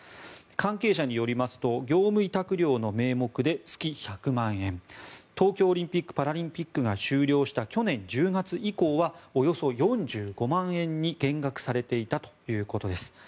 関係者によりますと業務委託料の名目で月１００万円東京オリンピック・パラリンピックが終了した去年１０月以降はおよそ４５万円に減額されていたということです。